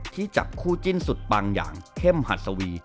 ที่จับคู่จิ้นสุดปังอย่างเข้มหัสวี